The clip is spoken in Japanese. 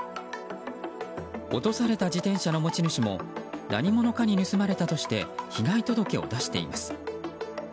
落とされた自転車の持ち主も何者かに盗まれたとして被害届を出しています。